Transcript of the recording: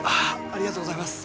ありがとうございます。